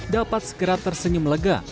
dapat segera tersenyum lega